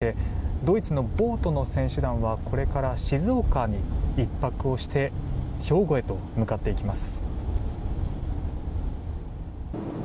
羽田空港をあとにしてドイツのボートの選手団はこれから静岡に１泊をして兵庫へと向かっていきます。